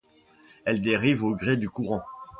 Elle dérive au gré du courant.